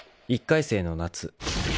［１回生の夏］